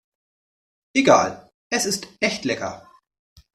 Egal, es ist echt lecker.